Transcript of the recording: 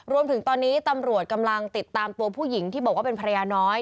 รวมถึงตอนนี้ตำรวจกำลังติดตามตัวผู้หญิงที่บอกว่าเป็นภรรยาน้อย